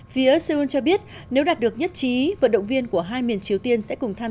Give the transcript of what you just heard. phía seoul cho biết nếu đạt được nhất trí vận động viên của hai miền triều tiên sẽ cùng tham